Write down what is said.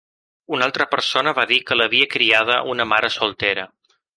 Una altra persona va dir que l'havia criada una mare soltera.